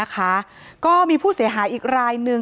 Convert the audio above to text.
ก็มีผู้เสียหายอีกรายหนึ่ง